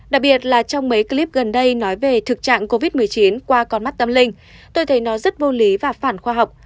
đặc biệt là trong mấy clip gần đây nói về thực trạng covid một mươi chín qua con mắt tâm linh tôi thấy nó rất vô lý và phản khoa học